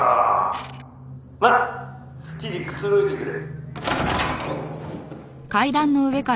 まあ好きにくつろいでくれ。